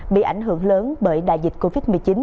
bị ảnh hưởng lớn bởi đại dịch covid một mươi chín